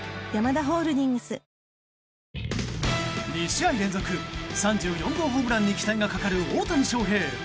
２試合連続３４号ホームランに期待がかかる大谷翔平。